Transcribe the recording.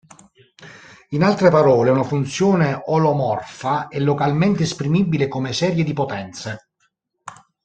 In altre parole, una funzione olomorfa è localmente esprimibile come serie di potenze.